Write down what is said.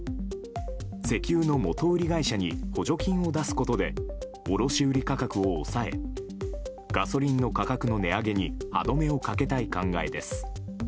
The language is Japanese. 石油の元売り会社に補助金を出すことで卸売価格を抑えガソリンの価格の値上げに歯止めをかけたい考えです。